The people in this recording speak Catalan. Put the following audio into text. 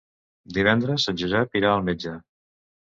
Divendres en Josep irà al metge.